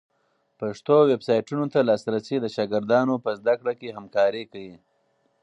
پښتو ویبسایټونو ته لاسرسی د شاګردانو په زده کړه کي همکاری کوي.